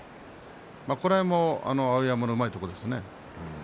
この辺も碧山のうまいところです。